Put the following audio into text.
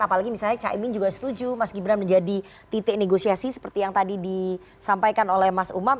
apalagi misalnya caimin juga setuju mas gibran menjadi titik negosiasi seperti yang tadi disampaikan oleh mas umam